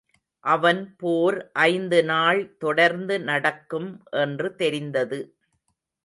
அவன் போர் ஐந்து நாள் தொடர்ந்து நடக்கும் என்று தெரிந்தது.